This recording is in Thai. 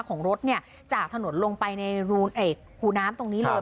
ของรถเนี่ยจากถนนลงไปในหูน้ำตรงนี้เลย